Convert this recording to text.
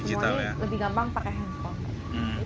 semuanya lebih gampang pakai handphone